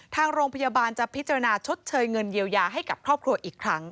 ทางโรงพยาบาลจะพิจารณาชดเชยเงินเยียวยาให้กับครอบครัวอีกครั้ง